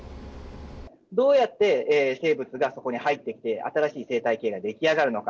どうやって生物がここに入ってきて、新しい生態系が出来上がるのか。